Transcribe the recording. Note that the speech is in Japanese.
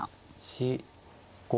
４５。